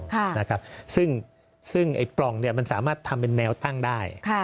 ค่ะนะครับซึ่งซึ่งไอ้ปล่องเนี่ยมันสามารถทำเป็นแนวตั้งได้ค่ะ